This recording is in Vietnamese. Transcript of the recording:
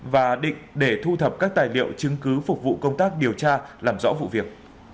và định để thu thập các tài liệu chứng cứ phục vụ công tác điều tra làm rõ vụ việc